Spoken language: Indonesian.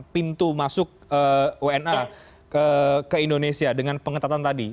pintu masuk wna ke indonesia dengan pengetatan tadi